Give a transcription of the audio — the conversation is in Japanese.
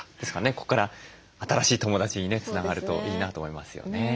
ここから新しい友だちにねつながるといいなと思いますよね。